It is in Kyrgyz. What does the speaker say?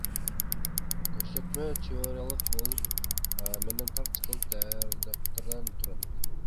Көрсөтмө теориялык бөлүк менен практикалык даярдыктардан турат.